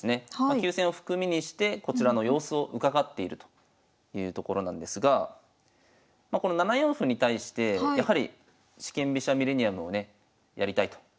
急戦を含みにしてこちらの様子を伺っているというところなんですがこの７四歩に対してやはり四間飛車ミレニアムをねやりたいと。